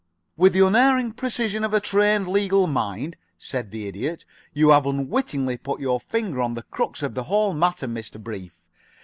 "With the unerring precision of a trained legal mind," said the Idiot, "you have unwittingly put your finger on the crux of the whole matter, Mr. Brief.